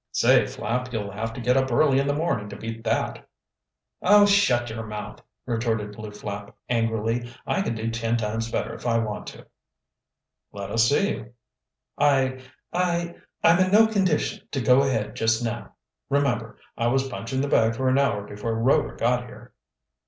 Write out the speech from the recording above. "Say, Flapp, you'll have to get up early in the morning to beat that." "Oh, you shut your mouth!" retorted Lew Flapp angrily. "I can do ten times better, if I want to." "Let us see you." "I I I'm in no condition to go ahead just now. Remember, I was punching the bag for an hour before Rover got here."